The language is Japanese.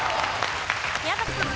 宮崎さん。